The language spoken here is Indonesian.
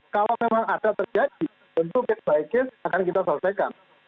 kalau memang ada terjadi tentu case by case akan kita selesaikan